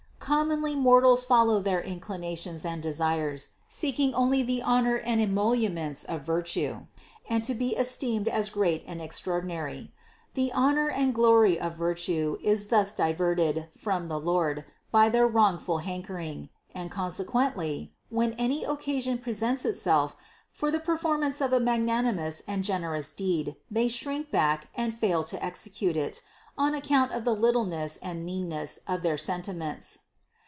Commonly mortals follow their inclinations and desires, seeking only the honor and emoluments of virtue, and to be esteemed as great and extraordinary. The honor and glory of virtue is thus diverted from the Lord by their wrongful hankering; and consequently, when any oc casion presents itself for the performance of a magnan imous and generous deed, they shrink back and fail to execute it, on account of the littleness and meanness of their sentiments.